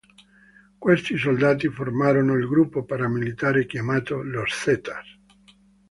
Questi soldati formarono il gruppo paramilitare chiamato Los Zetas.